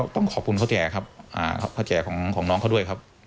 ต้องขอบคุณพ่อแก่ครับเท่าแก่ของน้องเขาด้วยครับ